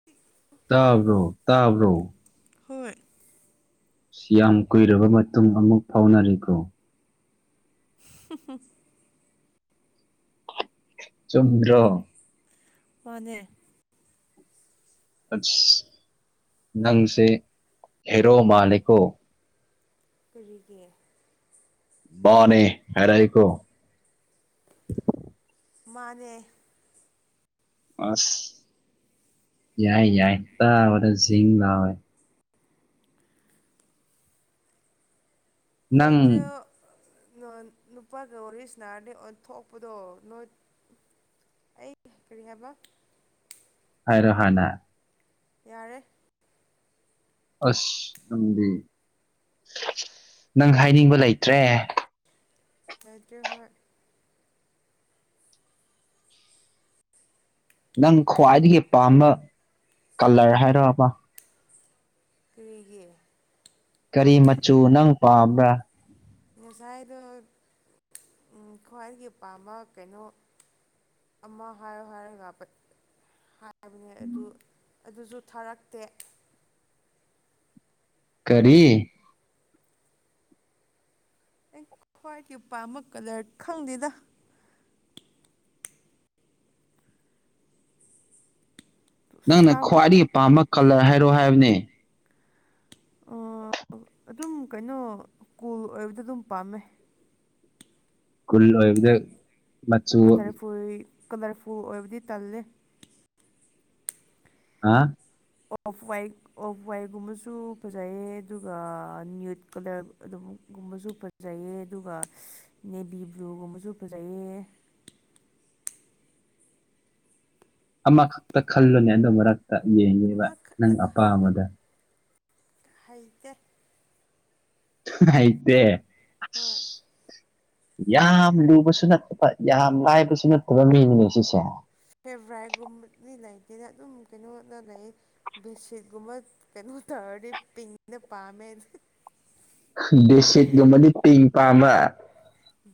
[inaudible] ꯇꯥꯕ꯭ꯔꯣ ꯇꯥꯕ꯭ꯔꯣ ꯍꯣꯏ ꯌꯥꯝ ꯀꯨꯏꯔꯕ ꯃꯇꯨꯡ ꯑꯃꯨꯛ ꯐꯥꯎꯅꯔꯤꯀꯣ꯫ [unintelligible] ꯆꯨꯝꯗ꯭ꯔꯣ ꯃꯥꯟꯅꯦ ꯑꯁ ꯅꯪꯁꯦ ꯍꯦꯔꯣ ꯃꯥꯂꯦꯀꯣ ꯀꯔꯤꯒꯤ ꯃꯥꯅꯦ ꯍꯥꯏꯔꯛꯏꯀꯣ ꯃꯥꯅꯦ ꯑꯁ ꯌꯥꯏ ꯌꯥꯏ ꯇꯥꯕꯗ ꯖꯤꯡ ꯂꯥꯎꯋꯦ ꯅꯪ ꯈꯣꯟꯖꯦꯜ ꯅꯨꯄꯥꯒ ꯋꯥꯔꯤꯁꯤ ꯁꯥꯅꯔꯅꯤ ꯑꯣꯟꯊꯣꯛꯄꯗꯣ ꯅꯣꯏ ꯑꯩ ꯀꯔꯤ ꯍꯥꯏꯕ ꯍꯥꯏꯔꯣ ꯍꯅ ꯌꯥꯔꯦ ꯑꯁ ꯅꯪꯗꯤ ꯅꯪ ꯍꯥꯏꯅꯤꯡꯕ ꯂꯩꯇ꯭ꯔꯦ ꯂꯩꯇꯔꯦ ꯍꯣꯏ ꯅꯪ ꯈ꯭ꯋꯥꯏꯗꯒꯤ ꯄꯥꯝꯕ ꯀꯂꯔ ꯍꯥꯏꯔꯣꯕ ꯀꫪꯤꯒꯤ ꯀꯔꯤ ꯃꯆꯨ ꯅꯪ ꯄꯥꯝꯕ꯭ꯔꯥ ꯉꯁꯥꯏꯗꯣ ꯈ꯭ꯋꯥꯏꯗꯒꯤ ꯄꯥꯝꯕ ꯀꯩꯅꯣ ꯑꯃ ꯍꯥꯏꯌꯣ ꯍꯥꯏꯔꯒ ꯍꯥꯏꯕꯅꯦ ꯑꯗꯨ ꯑꯗꯨꯁꯨ ꯊꯥꯔꯛꯇꯦ ꯀꯔꯤ ꯑꯩ ꯈ꯭ꯋꯥꯏꯠꯀꯤ ꯄꯥꯝꯕ ꯀꯂꯔ ꯈꯪꯗꯦꯗ ꯅꯪꯅ ꯇꯥꯕ꯭ꯔꯣ ꯈ꯭ꯋꯥꯏꯗꯒꯤ ꯄꯥꯝꯕ ꯀꯂꯔ ꯍꯥꯏꯔꯣ ꯍꯥꯏꯕꯅꯦ ꯑ ꯑꯗꯨꯝ ꯀꯩꯅꯣ ꯀꯨꯜ ꯑꯣꯏꯕꯗ ꯑꯗꯨꯝ ꯄꯥꯝꯃꯦ ꯈꯨꯜ ꯑꯣꯏꯕꯗ ꯃꯆꯨ ꯀꯂꯔꯐꯨꯔ ꯀꯂꯔꯐꯨ ꯑꯣꯏꯕꯗꯤ ꯇꯜꯂꯦ ꯍꯥꯥ ꯑꯣꯐ ꯋꯥꯏꯠ ꯑꯣꯐ ꯋꯥꯏꯠꯀꯨꯝꯕꯁꯨ ꯐꯖꯩꯌꯦ ꯑꯗꯨꯒ ꯅ꯭ꯌꯨꯠ ꯀꯂꯔ ꯑꯗꯨꯒꯨꯝꯕꯁꯨ ꯐꯖꯩꯌꯦ ꯑꯗꯨꯒ ꯅꯦꯕꯤ ꯕ꯭ꯂꯨꯒꯨꯝꯕꯁꯨ ꯐꯖꯩꯌꯦ ꯑꯃꯈꯛꯇ ꯈꯜꯂꯨꯅꯦ ꯑꯗꯨ ꯃꯔꯛꯇ ꯌꯦꯡꯉꯦꯕ ꯑꯃꯈꯛꯇ ꯅꯪ ꯈꯟꯕ ꯑꯄꯥꯝꯕꯗ ꯍꯩꯇꯦ ꯍꯩꯇꯦ ꯍꯣꯏ ꯌꯥꯝ ꯂꯨꯕꯁꯨ ꯅꯠꯇꯕ ꯌꯥꯝ ꯂꯥꯏꯕꯁꯨ ꯅꯠꯇꯕ ꯃꯤꯅꯤꯅꯦ ꯁꯤꯁꯦ ꯐꯦꯚ꯭ꯔꯥꯏꯒꯨꯝꯕꯗꯤ ꯂꯩꯇꯦꯅ ꯑꯗꯨꯝ ꯀꯩꯅꯣꯗ ꯂꯩꯌꯦ ꯕꯦꯁꯤꯛꯒꯨꯝꯕ ꯀꯩꯅꯣ ꯇꯧꯔꯗꯤ ꯄꯤꯡꯅ ꯄꯥꯝꯃꯦ ꯗꯦꯁꯤꯠꯀꯨꯝꯕꯗꯤ ꯄꯤꯡꯛ ꯄꯥꯝꯕ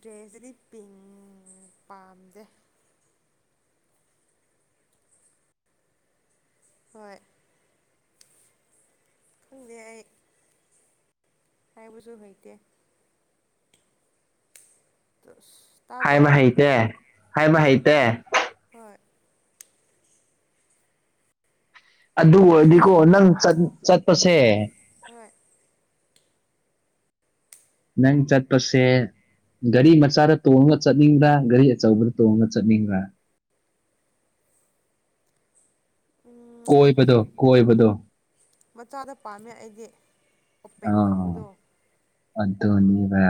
ꯗ꯭ꯔꯦꯁꯗꯗꯤ ꯄꯤꯡ ꯄꯥꯝꯗꯦ ꯍꯣꯏ ꯈꯪꯗꯦ ꯑꯩ ꯊꯥꯏꯕꯨꯁꯨ ꯍꯩꯗꯦ ꯇꯁ ꯍꯥꯏꯕ ꯍꯩꯇꯦ ꯍꯥꯏꯕ ꯍꯩꯇꯦ ꯍꯣꯏ ꯑꯗꯨ ꯑꯣꯏꯔꯗꯤꯀꯣ ꯅꯪ ꯆꯠ ꯆꯠꯄꯁꯦ ꯍꯣꯏ ꯅꯪ ꯆꯠꯄꯁꯦ ꯒꯥꯔꯤ ꯃꯆꯥꯗ ꯇꯣꯡꯉꯒ ꯆꯠꯅꯤꯡꯕ꯭ꯔꯥ ꯒꯥꯔꯤ ꯑꯆꯧꯕꯗ ꯇꯣꯡꯉꯒ ꯆꯠꯅꯤꯡꯕ꯭ꯔꯥ ꯎꯝ ꯀꯣꯏꯕꯗꯣ ꯀꯣꯏꯕꯗꯣ ꯃꯆꯥꯗ ꯄꯥꯝꯃꯦ ꯑꯩꯗꯤ ꯑꯣꯄꯦꯟ ꯇꯧꯕꯗꯣ ꯑꯗꯨꯅꯤꯕ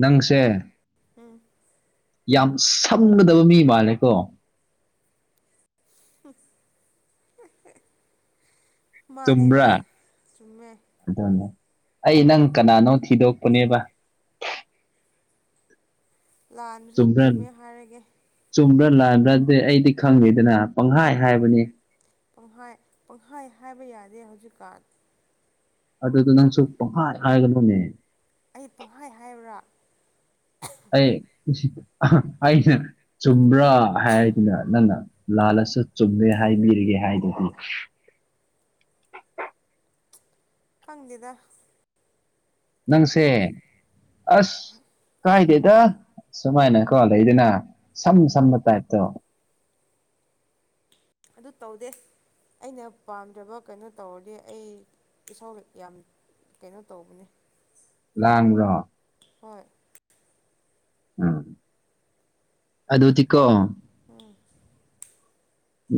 ꯅꯪꯁꯦ ꯎꯝ ꯌꯥꯝ ꯁꯝꯒꯗꯕ ꯃꯤ ꯃꯥꯜꯂꯦꯀꯣ ꯃꯥꯅꯦ ꯆꯨꯝꯕ꯭ꯔꯥ ꯍꯣꯏ ꯆꯨꯝꯃꯦ ꯑꯗꯨꯅꯦ ꯑꯩ ꯅꯪ ꯀꯅꯥꯅꯣ ꯊꯤꯗꯣꯛꯄꯅꯦꯕ ꯂꯥꯟꯕꯁꯨ ꯆꯨꯝꯕ꯭ꯔꯥ ꯆꯨꯝꯃꯦ ꯍꯥꯏꯔꯒꯦ ꯆꯨꯝꯕ꯭ꯔꯥ ꯂꯥꯟꯕ꯭ꯔꯥ ꯑꯗꯨ ꯑꯩꯗꯤ ꯈꯪꯗꯦꯗꯅ ꯄꯪꯍꯥꯏ ꯍꯥꯏꯕꯅꯤ ꯄꯪꯍꯥꯏ ꯄꯪꯍꯥꯏ ꯍꯥꯏꯕ ꯌꯥꯗꯦ ꯍꯧꯖꯤꯛꯀꯥꯟ ꯑꯗꯨꯗꯣ ꯅꯪꯁꯨ ꯄꯪꯈꯥꯏ ꯍꯥꯏꯒꯅꫭꯅꯦ ꯑꯩ ꯄꯪꯍꯥꯏ ꯍꯥꯏꯕ꯭ꯔꯥ ꯑꯩ [unintelligible] ꯑꯩꯅꯦ ꯆꯨꯝꯕ꯭ꯔꯥ ꯍꯥꯏꯗꯅ ꯅꯪꯅ ꯂꯥꯜꯂꯁꯨ ꯆꯨꯝꯃꯦ ꯍꯥꯏꯕꯤꯔꯤꯒꯦ ꯍꯥꯏꯗꯨꯗꯤ ꯈꯪꯗꯦꯗ ꯅꯪꯁꯦ ꯑꯁ ꯀꯥꯏꯗꯦꯗ ꯁꯨꯃꯥꯏꯅꯀꯣ ꯂꯩꯗꯅ ꯁꯝ ꯁꯝꯕ ꯇꯥꯏꯞꯇꯣ ꯑꯗꯨ ꯇꯧꯗꯦ ꯑꯩꯅ ꯄꯥꯝꯗ꯭ꯔꯕ ꯀꯩꯅꯣ ꯇꯧꯔꯗꯤ ꯑꯩ ꯏꯁꯧ ꯌꯥꯝ ꯀꯩꯅꯣ ꯇꯧꯕꯅꯦ ꯂꯥꯡꯕꯔꯣ ꯍꯣꯏ ꯎꯝ ꯑꯗꯨꯗꯤ ꯀꯣ ꯑꯣꯝ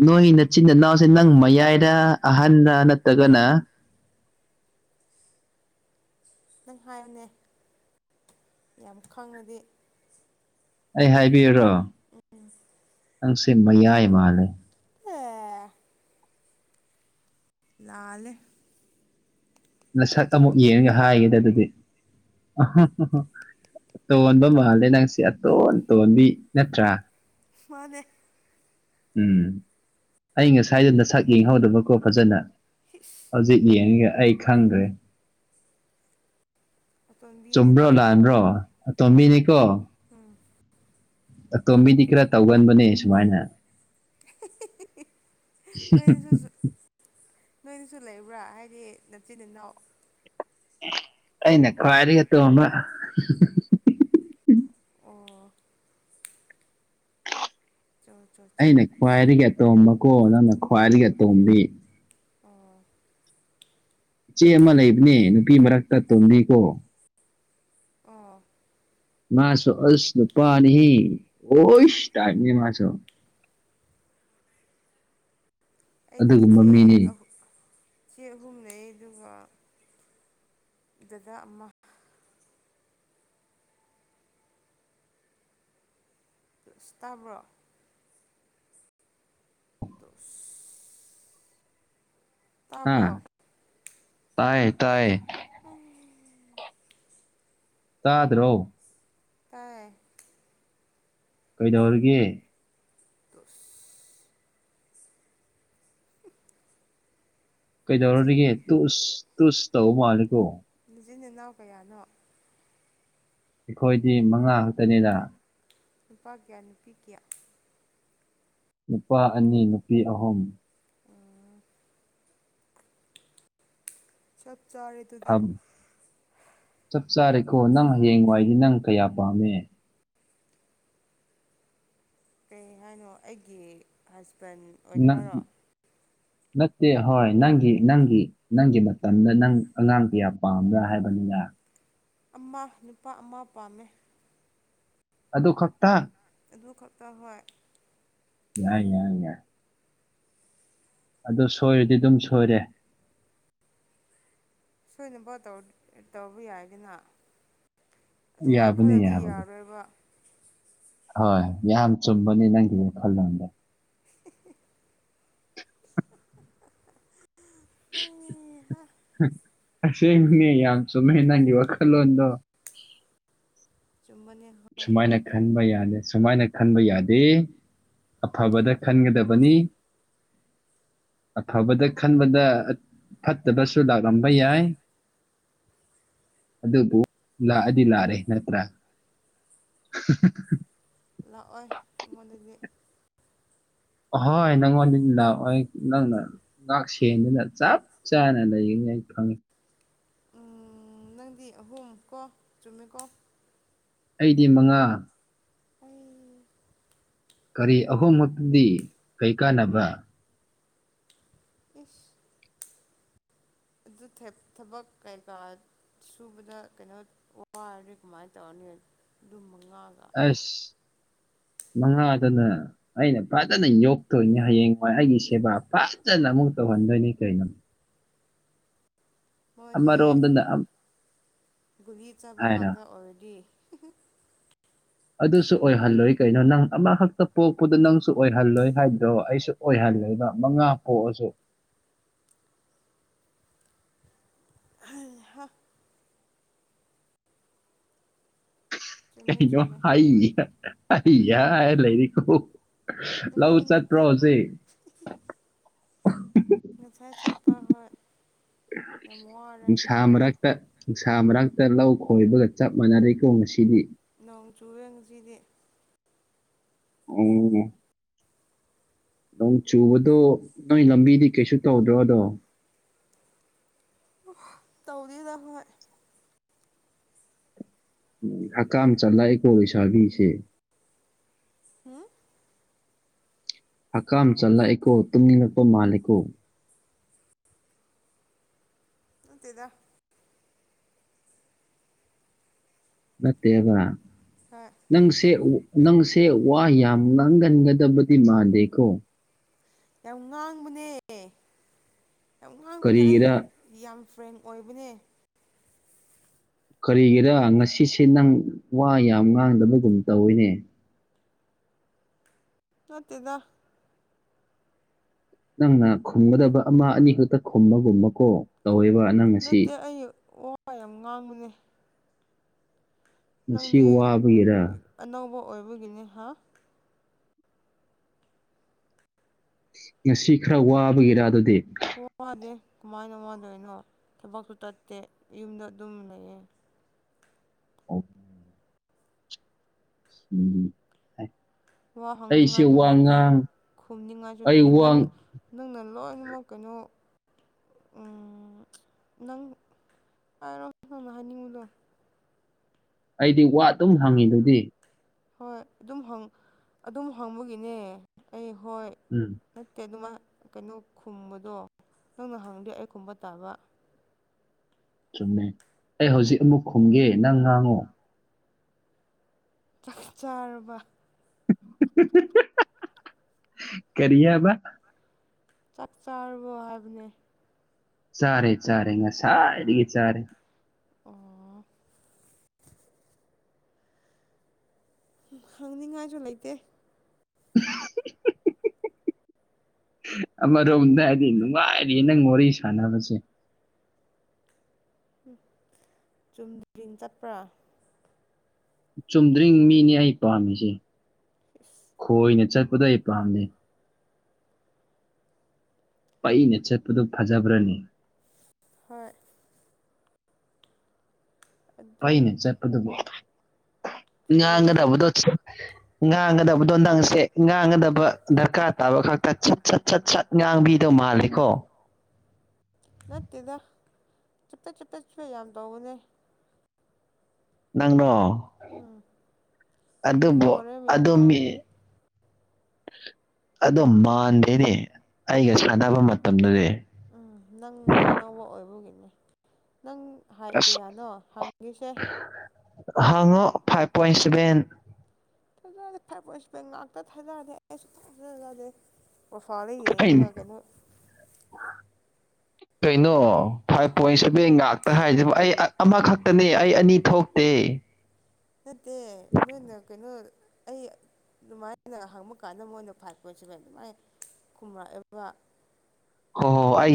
ꯅꯣꯏ ꯅꯆꯤꯟ ꯏꯅꯥꯎꯁꯦ ꯅꯪ ꯃꯌꯥꯏꯔ ꯑꯍꯟꯔ ꯅꯠꯇ꯭ꯔꯒꯅ ꯅꯪ ꯍꯥꯏꯌꯣꯅꯦ ꯌꯥꯝ ꯈꯪꯉꯗꯤ ꯑꯩ ꯍꯥꯏꯕꯤꯌꯨꯔꯣ ꯅꯪꯁꯦ ꯃꯌꯥꯏ ꯃꯥꯜꯂꯦ ꯑꯦ ꯂꯥꯜꯂ‌ꯦ ꯅꯁꯛ ꯑꯃꯨꯛ ꯌꯦꯡꯉꯒ ꯍꯥꯏꯒꯦꯗ ꯑꯗꯨꯗꯤ [unintelligible] ꯑꯇꯣꯟꯕ ꯃꯥꯜꯂꯦ ꯅꯪꯁꯦ ꯑꯇꯣꯟ ꯇꯣꯟꯕꯤ ꯅꯠꯇ꯭ꯔꯥ ꯃꯥꯅꯦ ꯎꯝ ꯑꯩ ꯉꯁꯥꯏꯗ ꯅꯁꯛ ꯌꯦꯡꯍꯧꯗꯕꯀꯣ ꯐꯖꯅ ꯏꯁ ꯍꯧꯖꯤꯛ ꯌꯦꯡꯉꯒꯦ ꯑꯩ ꯈꯪꯈ꯭ꯔꯦ ꯑꯇꯣꯟꯕꯤꯅꯦ ꯆꯨꯝꯕ꯭ꯔꯣ ꯍꯣꯏ ꯂꯥꯟꯕ꯭ꯔꯣ ꯑꯇꯣꯝꯕꯤꯅꯤꯀꯣ ꯎꯝ ꯑꯇꯣꯝꯕꯤꯗꯤ ꯈꯔ ꯇꯧꯒꯟꯕꯅꯦ ꯁꯨꯃꯥꯏꯅ [unintelligible] ꯅꯣꯏꯅꯁꯨꯁꯨ ꯅꯣꯏꯅꯁꯨ ꯂꯩꯕ꯭ꯔꯥ ꯍꯥꯏꯗꯤ ꯅꯆꯤꯟ ꯅꯅꯥꯎ [unintelligible] ꯑꯩꯅ ꯈ꯭ꯋꯥꯏꯗꯒꯤ ꯑꯇꯣꯝꯕ ꯑꯣ ꯆꯣ ꯆꯣ ꯆꯣ ꯑꯩꯅ ꯈ꯭ꯋꯥꯏꯗꯒꯤ ꯑꯇꯣꯝꯕꯀꯣ ꯅꯪꯅ ꯈ꯭ꯋꯥꯏꯗꯒꯤ ꯑꯇꯣꯝꯕꯤ ꯑꯣ ꯏꯆꯦ ꯑꯃ ꯂꯩꯕꯅꯦ ꯅꯨꯄꯤ ꯃꯔꯛꯇ ꯇꯨꯝꯕꯤꯀꯣ ꯑꫭ ꯃꯥꯁꯨ ꯑꯁ ꯅꯨꯄꯥꯅꯤꯍ‌ꯦ ꯑꯣꯢꯁ ꯇꯥꯏꯞꯅꯤ ꯃꯥꯁꯨ ꯑꯩꯗꯤ ꯑꯗꯨꯒꯨꯝꯕ ꯏꯆꯦ ꯃꯤꯅꯤ ꯑꯥꯍꯨ ꯏꯆꯦ ꯑꯍꯨꯝ ꯂꯩꯌꯦ ꯑꯗꯨꯒ ꯗꯗꯥ ꯑꯃ [inaudible] ꯇꯥꯕ꯭ꯔꯣ [inaudible] ꯍꯥꯥ ꯇꯥꯕ꯭ꯔꯣ ꯇꯥꯏꯌꯦ ꯇꯥꯏꯌꯦ [unintelligible] ꯇꯥꯗ꯭ꯔꯣ ꯇꯥꯏ ꯀꯩꯗꯧꯔꯤꯒꯦ [unintelligible] ꯅꯆꯤꯟ ꯀꯩꯗꯧꯔꯔꯤꯒꯦ ꯇꯨꯁ ꯇꯨꯁ ꯇꯧꯕ ꯃꯥꯜꯂꯦꯀꯣ ꯅꯆꯤꯟ ꯅꯅꯥꯎ ꯀꯌꯥꯅꯣ ꯑꯩꯈꯣꯏꯗꯤ ꯃꯉꯥ ꯈꯛꯇꯅꯦꯗꯥ ꯅꯨꯄꯥ ꯀꯌꯥ ꯅꯨꯄꯤ ꯀꯌꯥ ꯅꯨꯄꯥ ꯑꯅꯤ ꯅꯨꯄꯤ ꯑꯍꯨꯝ ꯆꯞ ꯆꯥꯔꯦ [unintelligible] ꯑꯗꯨꯗꯤ ꯆꯞ ꯆꯥꯔꯦꯀꯣ ꯅꯪ ꯍꯌꯦꯡ ꯋꯥꯏꯗꯤ ꯅꯪ ꯀꯌꯥ ꯄꯥꯝꯃꯦ ꯀꯩ ꯍꯥꯏꯅꯣ ꯑꯩꯒꯤ ꯍꯥꯁꯕꯦꯟ ꯅꯪ ꯅꯠꯇꯦ ꯍꯣꯏ ꯅꯪꯒꯤ ꯅꯪꯒꯤ ꯅꯪꯒꯤ ꯃꯇꯝꯗ ꯅꯪ ꯑꯉꯥꯡ ꯀꯌꯥ ꯄꯥꯝꯕ꯭ꯔꯥ ꯍꯥꯏꯕꯅꯤꯅ ꯑꯃ ꯅꯨꯄꯥ ꯑꯃ ꯄꯥꯝꯃꯦ ꯑꯗꯨ ꯈꯛꯇꯥ ꯑꯗꯨꯈꯛꯇ ꯍꯣꯏ ꯌꯥꯏ ꯌꯥꯏ ꯌꯥꯏ ꯑꯗꯣ ꯁꯣꯏꯔꯗꯤ ꯑꯗꯨꯝ ꯁꯣꯏꯔꯦ ꯁꯣꯏꯗꯅꯕ ꯇꯧ ꯇꯧꯕ ꯌꯥꯏꯒꯤꯅ ꯑꯗꯨꯃꯥꯏ ꯌꯥꯕꯅꯤ ꯈꯜꯂꯗꯤ ꯌꯥꯕꯅꯤ ꯌꯥꯔꯣꯏꯕ ꯍꯣꯏ ꯌꯥꯝ ꯆꯨꯝꯕꯅꯤ ꯅꯪꯒꯤ ꯋꯥꯈꯜꯂꯣꯟꯗꯣ ꯆꯨꯝꯕꯅꯦ ꯍꯨꯡ ꯑꯁꯦꯡꯕꯅꯦ ꯌꯥꯝ ꯆꯨꯝꯃꯦ ꯅꯪꯒꯤ ꯋꯥꯈꯜꯂꯣꯟꯗꯣ ꯆꯨꯝꯕꯅꯦ ꯁꯨꯃꯥꯏꯅ ꯈꯟꯕ ꯌꯥꯗꯦ ꯁꯨꯃꯥꯏꯅ ꯈꯟꯕ ꯌꯥꯗꯦ ꯑꯐꯕꯗ ꯈꯟꯒꯗꯕꯅꯤ ꯑꯐꯕꯗ ꯈꯟꯕꯗ ꯑꯠ ꯐꯠꯇꯕꯁꯨ ꯂꯥꯛꯂꯝꯕ ꯌꯥꯏ ꯑꯗꯨꯕꯨ ꯂꯥꯛꯑꯗꯤ ꯂꯥꯛꯑꯦ ꯅꯠꯇ꯭ꯔꯥ ꯂꯥꯛꯑꯣꯏ ꯑꯩꯉꯣꯟꯗꯗꯤ ꯍꯣꯏ ꯅꯪꯉꯣꯟꯗꯗꯤ ꯂꯥꯛꯑꯣꯏ ꯅꯪꯅ ꯉꯥꯛ ꯁꯦꯟꯗꯨꯅ ꯆꯞ ꯆꯥꯅ ꯂꯩꯒꯅꯤ ꯑꯩ ꯈꯪꯉꯦ ꯎꯝ ꯅꯪꯗꯤ ꯑꯍꯨꯝ ꯀꯣ ꯆꯨꯝꯃꯦꯀꯣ ꯑꯩꯗꯤ ꯃꯉꯥ ꯑꯩ ꯀꯔꯤ ꯑꯍꯨꯝ ꯈꯛꯇꯗꯤ ꯀꯩ ꯀꯥꯟꯅꯕꯔꯥ ꯏꯁ [unintelligible] ꯊꯕꯛ ꯀꯩꯀꯥ ꯁꯨꯕꯗ ꯀꯩꯅꯣ ꯋꯥꯔꯗꯤ ꯀꯃꯥꯏꯅ ꯇꯧꯔꯅꯤ ꯑꯗꯨꯝ ꯃꯉꯥꯒ ꯑꯁ ꯃꯉꯥꯗꯨꯅ ꯑꯩꯅ ꯐꯖꯅ ꯌꯣꯛꯇꯣꯏꯅꯦ ꯍꯌꯦꯡꯋꯥꯏ ꯑꯩꯒꯤ ꯁꯦꯕꯥ ꯐꯥꯖꯅ ꯑꯃꯨꯛ ꯇꯧꯍꯟꯗꯣꯏꯅꯤ ꯀꯩꯅꯣ ꯃꯣꯏꯁꯦ ꯑꯃꯔꯣꯝꯗꯅ ꯑꯝ ꯒꯨꯂꯤ ꯆꯥꯕ ꯍꯥꯏꯔ ꯉꯥꯛꯇ ꯑꯣꯏꯔꯗꯤ ꯑꯗꯨꯁꯨ ꯑꯣꯏꯍꯜꯂꯣꯏ ꯀꯩꯅꯣ ꯅꯪ ꯑꯃꯈꯛꯇ ꯄꯣꯛꯄꯗꯨ ꯅꯪꯁꯨ ꯑꯣꯏꯍꯜꯂꯣꯏ ꯍꯥꯏꯕꯗꯣ ꯑꯩꯁꯨ ꯑꯣꯏꯍꯜꯂꯣꯏꯕ ꯃꯉꯥ ꯄꯣꯛꯑꯁꯨ ꯍꯩ ꯍꯥ ꯆꯨꯝꯃꯦ ꯀꯩꯅꯣ ꯆꯨꯝꯃꯦ ꯍꯩꯍꯥ ꯍꯩ ꯍꯥ ꯍꯥꯏꯅꯥ ꯂꯩꯔꯤꯗꯨꯕꯣ ꯂꯧ ꯅꯉꯣꯟꯗ ꯆꯠꯇꯔꯣ ꯅꯠꯇꯦ ꯍꯧꯖꯤꯛ ꯉꯁꯥꯏ ꯆꯠꯄ ꯍꯣꯏ ꯌꯥꯝ ꯋꯥꯔꯦ ꯁꯨꯡꯁꯥꯃꯔꯛ ꯇ ꯅꯨꯡꯁꯥ ꯃꯔꯛꯇ ꯂꯧ ꯈꯣꯏꯕꯒ ꯆꯞ ꯃꯥꯟꯅꯔꯦꯀꯣ ꯉꯁꯤꯗꯤ ꯅꯣꯡ ꯆꯨꯔꯦ ꯉꯁꯤꯗꯤ ꯎꯝ ꯅꯣꯡ ꯆꯨꯕꯗꯣ ꯅꯣꯏ ꯂꯝꯕꯤꯗꯤ ꯀꯩꯁꯨ ꯇꯧꯗ꯭ꯔꯣꯗꯣ ꯇꯧ ꯇꯧꯗꯔꯤꯗꯥ ꯑꯩꯈꯣꯢꯔ ꯑꯩꯈꯣꯢ ꯎ ꯑꯀꯥꯝ ꯆꯟꯂꯛꯑꯦꯀꯣ ꯂꯩꯁꯥꯕꯤꯁꯦ ꯎꯝ ꯍꯀꯥꯝ ꯆꯠꯂꯛꯑꯦꯀꯣ ꯇꯨꯝꯅꯤꯡꯂꯛꯄ ꯃꯥꯜꯂꯦꯀꯣ ꯅꯠꯇꯦꯗ ꯅꯠꯇꯦꯕ ꯍꯥꯥ ꯅꯪꯁꯦ ꯅꯪꯁꯦ ꯋꯥ ꯌꯥꯝ ꯉꯥꯡꯒꯟꯒꯗꯕꯗꯤ ꯃꯥꯟꯗꯦꯀꯣ ꯌꯥꯝ ꯉꯥꯡꯕꯅꯦ ꯌꯥꯝ ꯉꯥꯡꯕꯅꯦ ꯑꯩ ꯀꯔꯤꯒꯤꯔ ꯌꯥꯝ ꯐ꯭ꯔꯦꯡ ꯑꯣꯏꯕꯅꯦ ꯀꯔꯤꯒꯤꯔ ꯉꯁꯤꯁꯦ ꯅꯪ ꯋꯥ ꯌꯥꯝ ꯉꯥꯡꯗꯕꯒꯨꯝ ꯇꯧꯋꯤꯅꯦ ꯅꯠꯇꯦꯗ ꯅꯪꯅ ꯈꯨꯝꯒꯗꯕ ꯑꯃ ꯑꯅꯤ ꯈꯛꯇ ꯈꯨꯝꯃꯒꯨꯝꯕꯀꯣ ꯇꯧꯋꯦꯕ ꯅꯪ ꯅꯠꯇꯦ ꯉꯁꯤ ꯑꯩ ꯋꯥ ꯌꯥꯝ ꯉꯥꯡꯕꯅꯦ ꯉꯁꯤ ꯅꯪꯗꯤ ꯋꯥꯕꯒꯤꯔ ꯑꯅꯧꯕ ꯑꯣꯏꯕꯒꯤꯅꯤ ꯍꯥ ꯉꯁꯤ ꯈꯔ ꯋꯥꯕꯒꯤꯔ ꯑꯗꯨꯗꯤ ꯋꯥꯗꯦ ꯀꯃꯥꯏꯅ ꯋꯥꯗꯣꯏꯅꯣ ꯊꯕꯛꯁꯨ ꯇꯠꯇꯦ ꯌꯨꯝꯗ ꯑꯗꯨꯝ ꯂꯩꯌꯦ ꯑꯣꯀꯦ, ꯎꯝ ꯍꯥꯏ ꯋꯥ ꯍꯪꯅꯤꯡꯉꯥꯏꯁꯨ ꯂꯩꯇꯦ ꯈꯨꯝꯅꯤꯡꯉꯥꯏꯁꯨ ꯑꯩ ꯂꯩꯇꯦ ꯅꯪ ꯋꯥ ꯅꯪꯅ ꯂꯣꯏꯅꯃꯛ ꯀꯩꯅꯣ ꯎ ꯅꯪ ꯍꯥꯏꯔꯣ ꯅꯪꯅ ꯍꯥꯏꯅꯤꯡꯉꯨꯗꯣ ꯑꯩꯗꯤ ꯋꯥ ꯑꯗꯨꯝ ꯍꯪꯉꯤ ꯑꯗꯨꯗꯤ ꯍꯣꯏ ꯑꯗꯨꯝ ꯑꯗꯨꯝ ꯍꯪꯕꯒꯤꯅꯦ ꯑꯩ ꯍꯣꯏ ꯎꯝ ꯅꯠꯇꯦ ꯑꯗꯨꯃꯥꯏ ꯀꯩꯅꯣ ꯈꯨꯝꯕꯗꯣ ꯅꯪꯅ ꯍꯪꯗꯦ ꯑꯩ ꯈꯨꯝꯕ ꯇꯥꯕ ꯆꯨꯝꯃꯦ ꯑꯩ ꯍꯧꯖꯤꯛ ꯑꯃꯨꯛ ꯈꯨꯝꯒꯦ ꯅꯪ ꯉꯥꯡꯉꯣ ꯆꯥꯛ ꯆꯥꯔꯕ ꯀꯔꯤꯌꯥꯕ ꯆꯞ ꯆꯥꯔꯕꯣ ꯍꯥꯏꯕꯅꯦ ꯆꯥꯔꯦ ꯆꯥꯔꯦ ꯉꯁꯥꯏꯗꯒꯤ ꯆꯥꯔꯦ ꯑꯣ ꯍꯪꯅꯤꯡꯉꯥꯏꯁꯨ ꯂꯩꯇꯦ [unintelligible] ꯑꯃꯔꯣꯝꯗ ꯍꯥꯏꯗꯤ ꯅꯨꯡꯉꯥꯏꯔꯤ ꯅꯪ ꯋꯥꯔꯤ ꯁꯥꯟꯅꯕꯁꯦ ꯎꯝ ꯆꯨꯝꯗꯤꯡ ꯆꯠꯄ꯭ꯔꯥ ꯆꯨꯝꯗ꯭ꯔꯤꯉ ꯃꯤꯅꯤ ꯑꯩ ꯄꯥꯝꯃꯤꯁꯦ ꯏꯁ ꯈꯣꯏꯅ ꯆꯠꯄꯗ ꯑꯩ ꯄꯥꯝꯗ ꯄꯩꯅ ꯆꯠꯄꯗꫭ ꯐꯖꯕ꯭ꯔꯅꯤ ꯍꯣꯏ ꯄꯩꯅ ꯑꯗꯨꯗꯤ ꯆꯠꯄꯗꯨꯕꯨ ꯉꯥꯡꯒꯗꯕꯗꯣ ꯉꯥꯡꯒꯗꯕꯗꯣ ꯅꯪꯁꯦ ꯉꯥꯡꯒꯗꯕ ꯗꯔꯀꯥꯔ ꯇꯥꯕ ꯈꯛꯇ ꯁꯠ ꯁꯠ ꯁꯠ ꯁꯠ ꯉꯥꯡꯕꯤꯗꫭ ꯃꯥꯜꯂꯦꯀꯣ ꯅꯠꯇꯦꯗ ꯆꯨꯞꯄꯦꯠ ꯆꯨꯞꯄꯦꯠꯁꯨ ꯌꯥꯝ ꯇꯧꯕꯅꯦ ꯅꯪꯅꯣ ꯎꯝ ꯋꯥꯊꯤ ꯑꯗꯨꯕꯨ ꯋꯥꯔꯦꯝ ꯌꯥꯝ ꯑꯗꫭꯝꯒꯤ ꯉꯥꯡꯕꯅꯦ ꯑꯗꯣ ꯃꯥꯟꯗꯦꯅꯦ ꯑꯩꯒ ꯁꯥꯟꯅꯕ ꯃꯇꯝꯗꯗꯤ ꯎꯝ ꯅꯪ ꯑꯅꯧꯕ ꯑꯣꯏꯕꯒꯤꯅꯦ ꯅꯪ ꯍꯥꯏꯠ ꯑꯁ ꯀꯌꯥꯅꯣ ꯍꯪꯉꯤꯁꯦ ꯍꯉꯣ ꯐꯥꯏꯚ ꯄꯣꯏꯟ ꯁꯚꯦꯟ ꯐꯖꯅ ꯐꯥꯏꯚ ꯄꫭꯏꯟ ꯁꯕꯦꯟ ꯉꯥꯛꯇ ꯊꯥꯅꯔꯗꯤ ꯑꯩꯁꯨ ꯊꯥꯖꯗꯦ ꯄꯣꯏꯟ [unintelligible] [unintelligible] ꯀꯩꯅꯣ ꯐꯥꯏꯚ ꯄꯣꯏꯟ ꯁꯚꯦꯟ ꯉꯥꯛꯇ ꯍꯥꯏꯁꯤꯕ ꯑꯩ ꯑꯃꯈꯛꯇꯅꯦ ꯑꯩ ꯑꯅꯤ ꯊꯣꯛꯇꯦ ꯅꯠꯇꯦ ꯅꫭꯏꯅ ꯀꯩꯅꯣ ꯑꯩ ꯑꯗꯨꯃꯥꯏꯅ ꯍꯪꯕ ꯀꯥꯟꯗ ꯃꯣꯏꯅ ꯐꯥꯏꯚ ꯄꯣꯏꯟ ꯁꯚꯦꯟ ꯑꯗꯨꯃꯥꯏꯅ ꯈꯨꯝꯃꯛꯑꯦꯕ ꯍꯣ ꯍꯣ ꯑꯩ